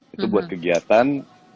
itu buat kegiatan